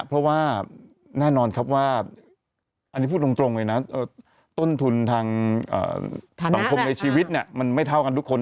เพราะว่าแน่นอนครับว่าอันนี้พูดตรงเลยนะต้นทุนทางสังคมในชีวิตเนี่ยมันไม่เท่ากันทุกคน